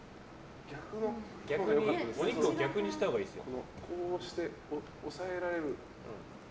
お肉を逆にしたほうがいいですよ。